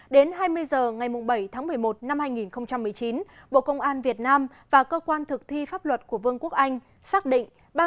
đến hai mươi h ngày bảy tháng một mươi một năm hai nghìn một mươi chín bộ công an việt nam và cơ quan thực thi pháp luật của vương quốc anh xác định